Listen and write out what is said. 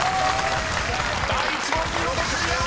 ［第１問見事クリア！